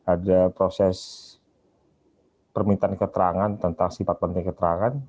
ada proses permintaan keterangan tentang sifat penting keterangan